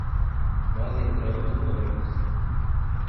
Nós entramos no ônibus